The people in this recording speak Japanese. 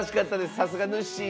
さすが、ぬっしー。